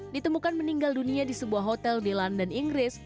ditemukan meninggal dunia di sebuah hotel di london inggris